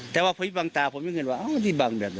แต่ว่าผีบังตาผมยังเห็นว่าอ้าวนี่บังแบบไหน